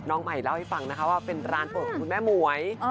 ใหม่เล่าให้ฟังนะคะว่าเป็นร้านเปิดของคุณแม่หมวย